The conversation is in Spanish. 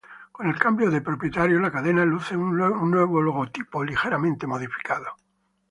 Con el cambio de propietario la cadena luce un nuevo logotipo ligeramente modificado.